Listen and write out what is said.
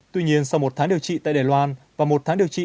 tuy nhiên sau một tháng điều trị tại đài loan và một tháng điều trị